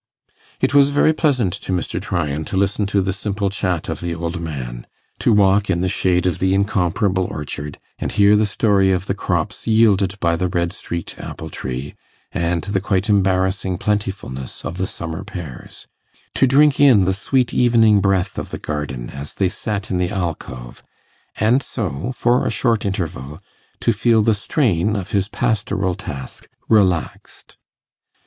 It was very pleasant to Mr. Tryan to listen to the simple chat of the old man to walk in the shade of the incomparable orchard, and hear the story of the crops yielded by the red streaked apple tree, and the quite embarrassing plentifulness of the summer pears to drink in the sweet evening breath of the garden, as they sat in the alcove and so, for a short interval, to feel the strain of his pastoral task relaxed.